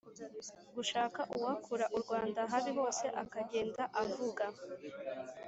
gushaka uwakura u rwanda habi, hose akagenda avuga